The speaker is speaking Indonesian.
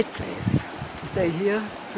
tempat ini luar biasa